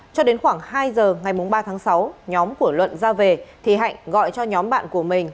cho đến khoảng hai giờ ngày ba tháng sáu nhóm của luận ra về thì hạnh gọi cho nhóm bạn của mình